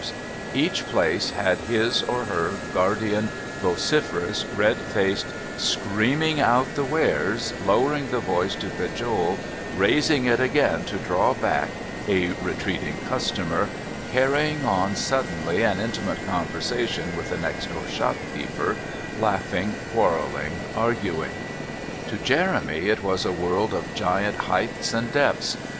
Each place had his or her guardian, vociferous, red faced, screaming out the wares, lowering the voice to cajole, raising it again to draw back a retreating customer, carrying on suddenly an intimate conversation with the next door shopkeeper, laughing, quarrelling, arguing. To Jeremy it was a world of giant heights and depths.